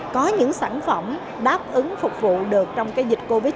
có những sản phẩm đáp ứng phục vụ được trong cái dịch covid